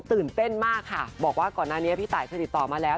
ตื่นเต้นมากค่ะบอกว่าก่อนหน้านี้พี่ตายเคยติดต่อมาแล้ว